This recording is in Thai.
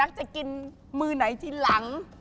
โอ้โหอ่ะ